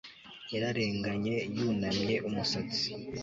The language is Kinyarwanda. Yararenganye yunamye umusatsi